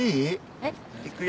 えっ？いくよ。